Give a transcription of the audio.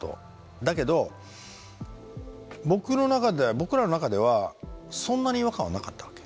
だけど僕の中では僕らの中ではそんなに違和感はなかったわけ。